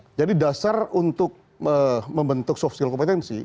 sebesar untuk membentuk soft skill kompetensi